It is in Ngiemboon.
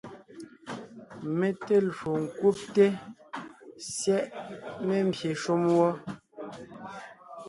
Mé te lwo ńkúbte/syɛ́ʼ membyè shúm wɔ́.